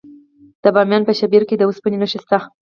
د بامیان په شیبر کې د وسپنې نښې شته.